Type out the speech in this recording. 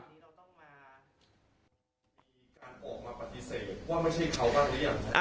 อันนี้เราต้องมามีการออกมาปฏิเสธว่าไม่ใช่เขาบ้างหรือยัง